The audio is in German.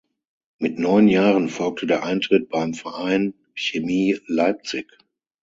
Mit neun Jahren folgte der Eintritt beim Verein Chemie Leipzig.